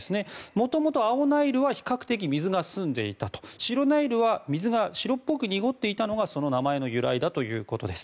もともと青ナイルは比較的、水が澄んでいて白ナイルは水が白っぽく濁っていたのがその名前の由来だそうです。